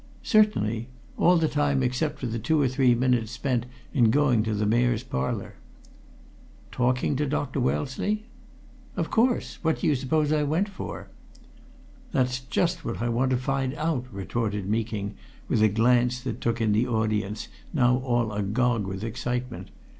"Certainly! All the time except for the two or three minutes spent in going to the Mayor's Parlour." "Talking to Dr. Wellesley?" "Of course! What do you suppose I went for?" "That's just what I want to find out!" retorted Meeking, with a glance that took in the audience, now all agog with excitement.